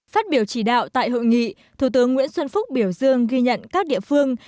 phát biểu chỉ đạo tại hội nghị thủ tướng nguyễn xuân phúc biểu dương ghi nhận các địa phương